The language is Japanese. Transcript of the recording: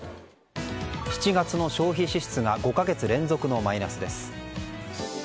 ７月の消費支出が５か月連続のマイナスです。